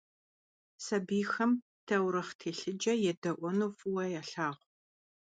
Sabiyxem taurıxh têlhıce yêde'uenu f'ıue yalhağu.